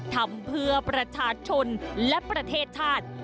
ทำเพื่อประชาชนและประเทศชาติ